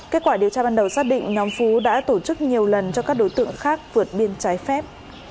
kết quả điều tra ban đầu xác định nhóm phú đã tổ chức nhiều lần cho các đối tượng khác vượt biên trái phép